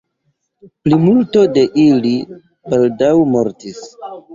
Plimulto de ili baldaŭ mortis.